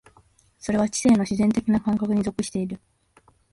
それは知性の自然的な感覚に属している。